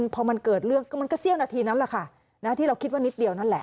พอมันเกิดเรื่องมันก็เสี้ยวนาทีนั้นแหละค่ะที่เราคิดว่านิดเดียวนั่นแหละ